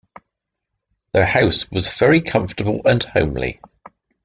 Their house was very comfortable and homely